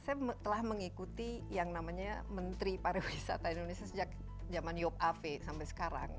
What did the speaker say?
saya telah mengikuti yang namanya menteri pariwisata indonesia sejak zaman yop ave sampai sekarang